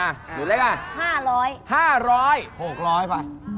๗๐๐หนูเล็กล่ะ